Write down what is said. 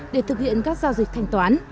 để thực hiện các giao dịch thanh toán